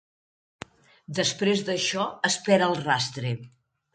Després d'això es perd el rastre.